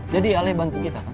jadi ala bantu kita kan